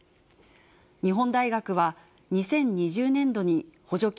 日本大学は、２０２０年度に補助金